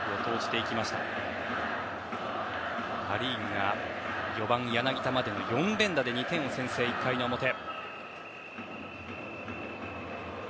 パ・リーグが４番、柳田までの４連打で２点を先制、１回の表。